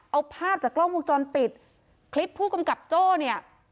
เอาภาพจากกล้องวงจรปิดคลิปผู้กำกับโจ้เนี่ย